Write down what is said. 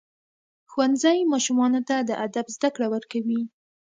ښوونځی ماشومانو ته د ادب زده کړه ورکوي.